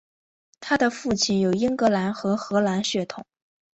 她的父亲有英格兰和荷兰血统。